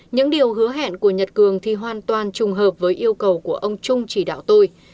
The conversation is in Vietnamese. những điều hứa hẹn của nhật cường thì hoàn toàn trùng hợp với yêu cầu của ông trung chỉ đạo tôi